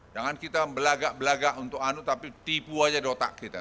jangan kita belagak belagak untuk anu tapi tipu aja di otak kita